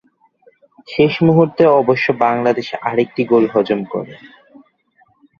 শেষ মুহূর্তে অবশ্য বাংলাদেশ আরেকটি গোল হজম করে।